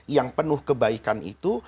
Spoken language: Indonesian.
yang penuh kebaikan itu